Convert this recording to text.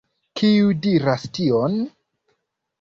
Kiu diras tion?